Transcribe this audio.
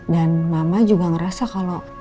dan mama juga ngerasa kalau